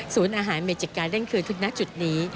ศูนย์อาหารเมจิกการ์เด้นคืนทุกนักจุดนี้